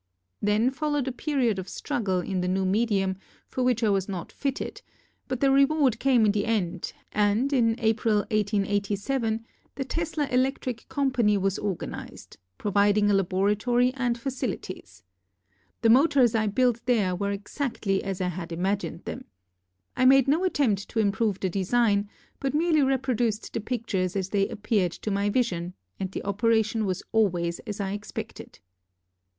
Then followed a period of struggle in the new medium for which I was not fitted, but the reward came in the end and in April, 1887, the Tesla Electric Company was organized, providing a laboratory and facilities. The motors I built there were exactly as I had imagined them. I made no attempt to improve the design, but merely reproduced the pictures as they appeared to my vision and the operation was always as I expected.